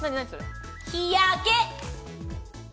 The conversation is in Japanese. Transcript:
日焼け。